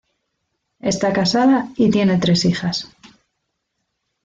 Está casada y tiene tres hijas.